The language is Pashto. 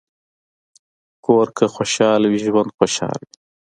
کور که خوشحال وي، ژوند خوشحال وي.